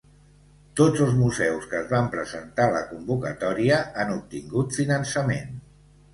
Tots els museus que es van presentar a la convocatòria han obtingut finançament.